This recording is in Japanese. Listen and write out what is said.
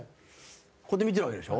こうやって見てるわけでしょ？